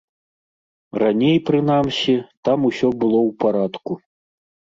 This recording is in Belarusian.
Раней, прынамсі, там усё было ў парадку.